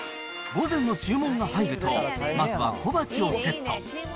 御膳の注文が入ると、まずは小鉢をセット。